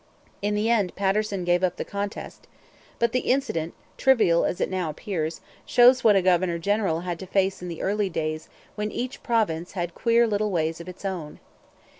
In the end Patterson gave up the contest. But the incident, trivial as it now appears, shows what a governor general had to face in the early days when each province had queer little ways of its own.